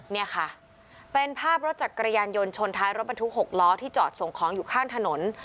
เนี่ยค่ะเป็นภาพรถจักรยานยนต์ชนท้ายรถบรรทุก๖ล้อที่จอดส่งของอยู่ข้างถนน